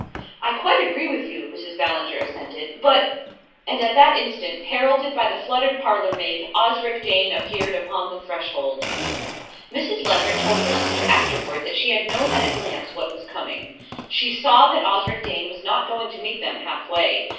"I quite agree with you," Mrs. Ballinger assented; "but " And at that instant, heralded by the fluttered parlourmaid, Osric Dane appeared upon the threshold. Mrs. Leveret told her sister afterward that she had known at a glance what was coming. She saw that Osric Dane was not going to meet them half way.